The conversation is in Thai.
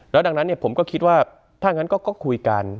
แล้วดังนั้นเนี่ยผมก็คิดว่าถ้าอย่างนั้นก็คุยกัน